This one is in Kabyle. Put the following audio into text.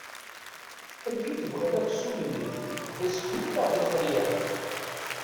Amek i t-tebɣiḍ aksum-nni d aseknef neɣ d lqelyan?